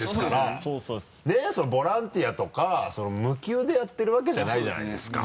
ボランティアとか無給でやってるわけじゃないじゃないですか。